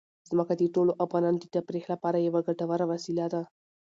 ځمکه د ټولو افغانانو د تفریح لپاره یوه ګټوره وسیله ده.